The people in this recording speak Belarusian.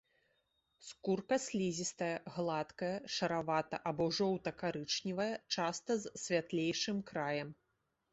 Скурка слізістая, гладкая, шараватая або жоўта-карычневая, часта з святлейшым краем.